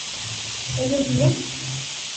¿ellos viven?